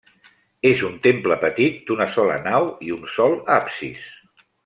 És un temple petit, d'una sola nau i un sol absis.